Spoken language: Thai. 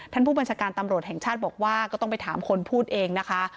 ผู้บัญชาการตำรวจแห่งชาติบอกว่าก็ต้องไปถามคนพูดเองนะคะ